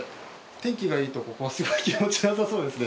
天気がいいとここはすごい気持ちよさそうですね。